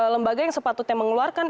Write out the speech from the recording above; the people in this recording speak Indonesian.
lembaga yang sepatutnya mengeluarkan